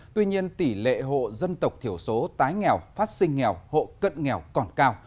tuy nhiên tỷ lệ hộ dân tộc thiểu số tái nghèo phát sinh nghèo hộ cận nghèo còn cao